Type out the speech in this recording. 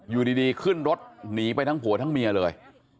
อยู่ดีขึ้นรถหนีไปทั้งผัวทั้งเมียเลย